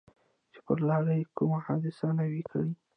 چې پر لاره یې کومه حادثه نه وي کړې.